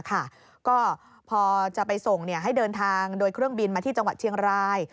ก็พอจะไปส่งให้เดินทางโดยเครื่องบินมาที่จังหวัดเชียงราย